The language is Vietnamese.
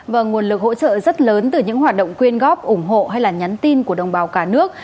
và nguồn lực hỗ trợ rất lớn từ những hoạt động quyên góp ủng hộ hay nhắn tin của đồng bào cả nước